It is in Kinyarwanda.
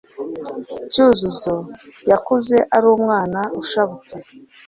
Cyuzuzo yakuze ari umwana ushabutse,